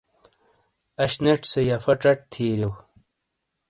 اش نیٹ سے یفاچٹ تھیریو۔